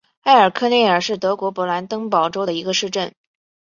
埃尔克内尔是德国勃兰登堡州的一个市镇。